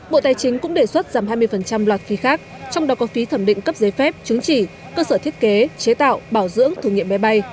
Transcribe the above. bộ tài chính cũng đề xuất giảm hai mươi loạt phí khác trong đó có phí thẩm định cấp giấy phép chứng chỉ cơ sở thiết kế chế tạo bảo dưỡng thử nghiệm máy bay